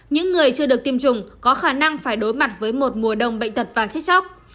những người chưa được tiêm chủng có khả năng phải đối mặt với một mùa đông bệnh tật và chết chóc